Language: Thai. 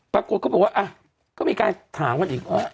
ปรากฏเขาบอกว่าก็มีการถามกันอีก